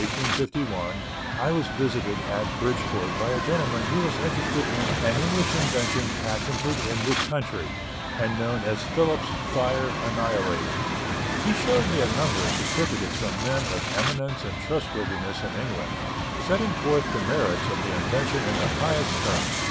Late in August, 1851, I was visited at Bridgeport by a gentleman who was interested in an English invention patented in this country, and known as Phillips' Fire Annihilator. He showed me a number of certificates from men of eminence and trustworthiness in England, setting forth the merits of the invention in the highest terms.